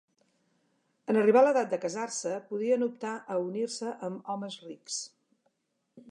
En arribar l'edat de casar-se, podien optar a unir-se amb homes rics.